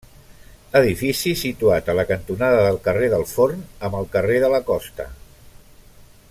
Edifici situat a la cantonada del carrer del Forn amb el carrer de la Costa.